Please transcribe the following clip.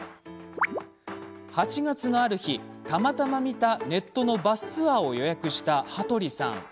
８月のある日、ふと見たネットのバスツアーを予約した羽鳥さん。